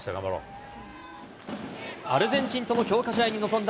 アルゼンチンとの強化試合に臨んだ